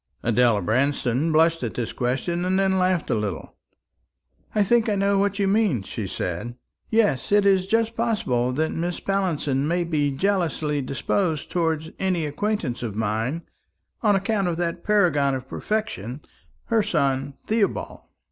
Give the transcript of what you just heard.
Adela Branston blushed at this question, and then laughed a little. "I think I know what you mean," she said. "Yes, it is just possible that Mrs. Pallinson may be jealously disposed towards any acquaintance of mine, on account of that paragon of perfection, her son Theobald.